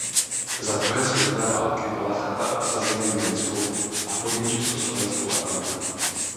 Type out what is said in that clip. Za druhé světové války byla chata obsazena německou a po ní československou armádou.